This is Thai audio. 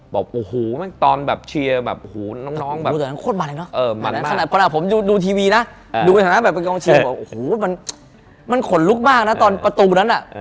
บอกโอ้โหมันตอนแบบแบบเชียร์แบบโอ้โหน้อง